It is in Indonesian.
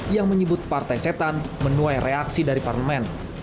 yang menyebut partai setan menuai reaksi dari parlemen